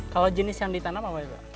kalau jenis yang ditanam apa itu pak